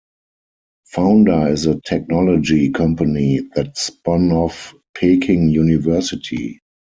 Founder is a technology company that spun off Peking University.